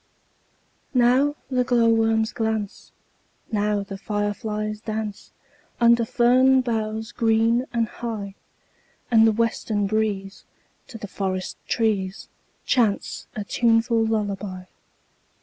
Now the glowworms glance, Now the fireflies dance, Under fern boughs green and high; And the western breeze To the forest trees Chants a tuneful lullaby.